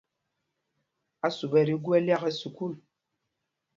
Ásup ɛ tí gú ɛ́lyákɛl sukûl.